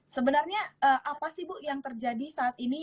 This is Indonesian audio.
sebenarnya apa sih bu yang terjadi saat ini